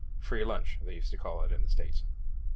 Free lunch, they used to call it in the States.